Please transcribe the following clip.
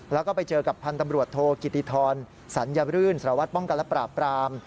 แล้วก็ไปเจอกับพันธ์ตำรวจโทกิติธรสัญรื่นสารวัตรป้องกันและปราบปราม